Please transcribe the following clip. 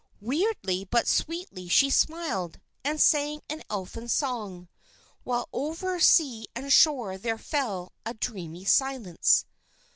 Weirdly but sweetly she smiled, and sang an Elfin song; while over sea and shore there fell a dreamy silence.